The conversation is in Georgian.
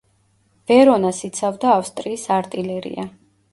ვერონას იცავდა ავსტრიის არტილერია.